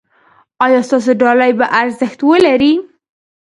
ایا ستاسو ډالۍ به ارزښت ولري؟